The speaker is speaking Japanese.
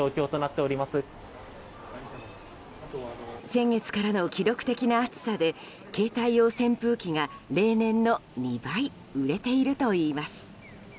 先月からの記録的な暑さで携帯用扇風機が例年の２倍売れているといいます。